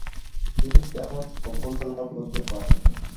তিনি তেমন সাফল্য লাভ করতে পারেন নি।